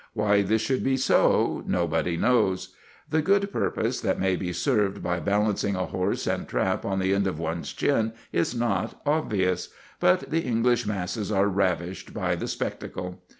Why this should be so, nobody knows. The good purpose that may be served by balancing a horse and trap on the end of one's chin is not obvious; but the English masses are ravished by the spectacle.